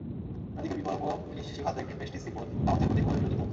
অন্যদিকে বিকল্প শিশুখাদ্য একটি প্রেস্টিজ সিম্বল, সামর্থ্যের প্রতীক বলে বিবেচিত হচ্ছে।